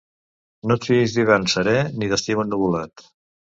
No et fiïs d'hivern seré ni d'estiu ennuvolat.